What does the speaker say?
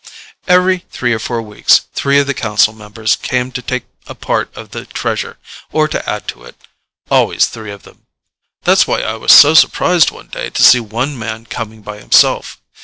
Every three or four weeks, three of the council members came to take a part of the Treasure, or to add to it. Always three of them. That's why I was so surprised one day, to see one man coming by himself.